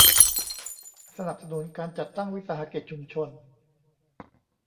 สนับสนุนการจัดตั้งวิสาหกิจชุมชน